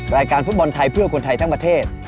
รายการฟุตบอลไทยเพื่อคนไทยทั้งประเทศ